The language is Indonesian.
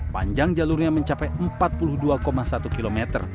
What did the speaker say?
panjang jalurnya mencapai empat puluh dua satu km